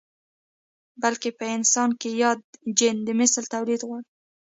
بلکې په انسان کې ياد جېن د مثل توليد غواړي.